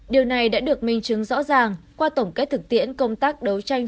điều này đã được minh chứng rõ ràng qua tổng kết thực tiễn công tác đấu tranh